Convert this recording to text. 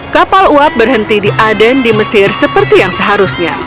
kapal uap berhenti di aden di mesir seperti yang seharusnya